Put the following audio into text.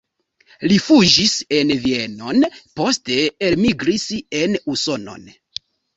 Li fuĝis en Vienon, poste elmigris en Usonon.